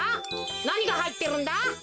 なにがはいってるんだ？